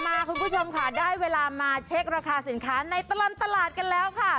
คุณผู้ชมค่ะได้เวลามาเช็คราคาสินค้าในตลอดตลาดกันแล้วค่ะ